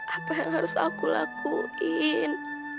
apa yang harus aku lakuin